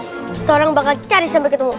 kita orang bakal cari sampai ketemu